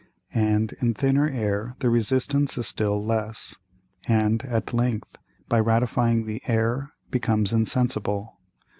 And in thinner Air the Resistance is still less, and at length, by ratifying the Air, becomes insensible.